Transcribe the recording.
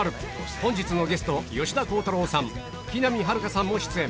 本日のゲスト、吉田鋼太郎さん、木南晴夏さんも出演。